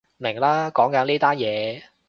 明喇，講緊呢單嘢